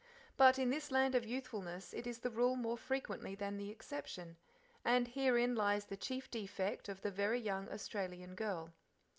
But in this land of youthfulness it is the rule more frequently than the exception, and herein lies the chief defect of the very young Australian girl.